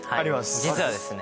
実はですね